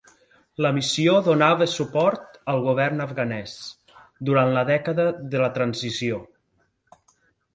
La missió donava suport al govern afganès durant la dècada de la transició.